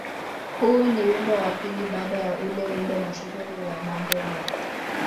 Huu ni wimbo wa pili baada ya ule wimbo mashuhuri wa "Mambo No.